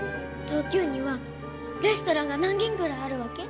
東京にはレストランが何軒ぐらいあるわけ？